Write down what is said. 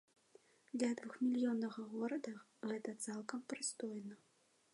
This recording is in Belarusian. Для двухмільённага горада гэта цалкам прыстойна.